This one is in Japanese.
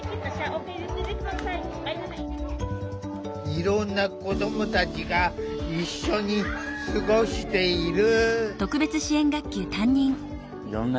いろんな子どもたちが一緒に過ごしている。